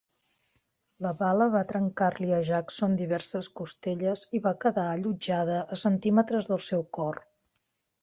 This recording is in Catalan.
La bala va trencar-li a Jackson diverses costelles i va quedar allotjada a centímetres del seu cor.